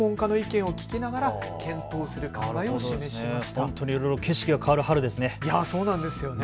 本当にいろいろ景色が変わる春ですね。